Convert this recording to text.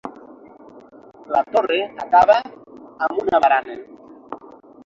La torre acaba amb una barana.